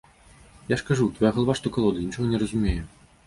Я ж кажу, твая галава, што калода, нічога не разумее.